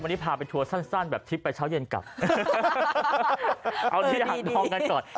วันนี้พาไปทัวร์สั้นแบบทิพย์ไปเช้าเย็นกลับเอาที่ด่างดองกันก่อน